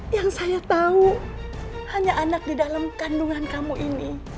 yang saya tahu hanya anak di dalam kandungan kamu ini